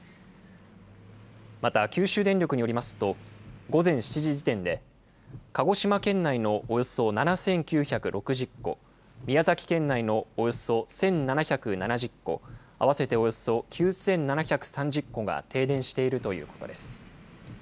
また九州電力によりますと、午前７時時点で鹿児島県内のおよそ７９６０戸、宮崎県内のおよそ１７７０戸、合わせておよそ９７３０戸が停電しているということです。